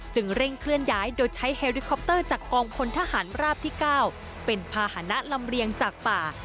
เร่งเคลื่อนย้ายโดยใช้เฮริคอปเตอร์จากกองพลทหารราบที่๙เป็นภาษณะลำเรียงจากป่า